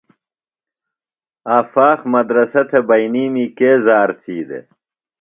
آفاق مدرسہ تھےۡ بئینیمی کے ذار تھی دےۡ؟